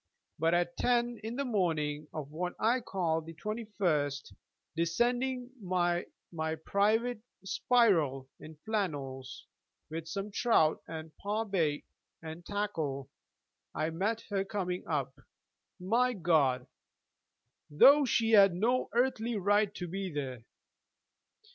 But at ten in the morning of what I called the 21st, descending by my private spiral in flannels with some trout and par bait, and tackle I met her coming up, my God, though she had no earthly right to be there.